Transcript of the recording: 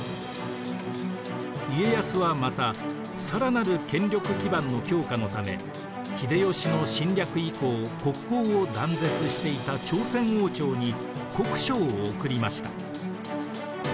家康はまた更なる権力基盤の強化のため秀吉の侵略以降国交を断絶していた朝鮮王朝に国書を送りました。